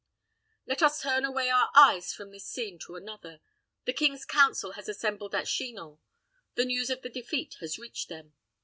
Let us turn away our eyes from this scene to another. The king's council has assembled at Chinon; the news of the defeat has reached them.